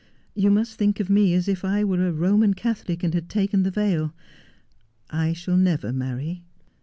You must think of me as if I were a Roman Catholic and had taken the veil. I shall never marry.